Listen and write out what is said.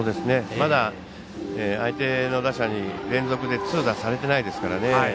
まだ相手の打者に連続で痛打されてないですからね。